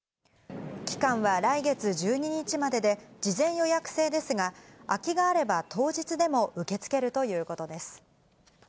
期間は来月１２日までで、事前予約制ですが、空きがあれば当日でも受け付けるということです。